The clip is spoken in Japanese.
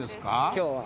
今日は。